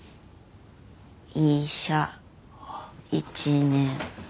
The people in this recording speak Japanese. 医者１年目。